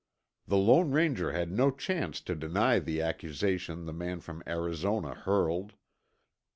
The Lone Ranger had no chance to deny the accusation the man from Arizona hurled.